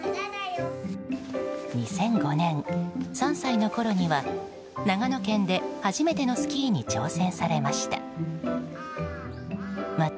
２００５年、３歳のころには長野県で初めてのスキーに挑戦されました。